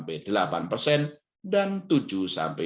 bank indonesia terus memperkuat kebijakan sistem pembayaran yang cepat